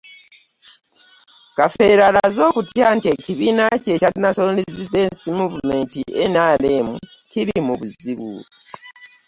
Kafeero alaze okutya nti ekibiina kye ekya National Resistance Movement NRM kiri mu buzibu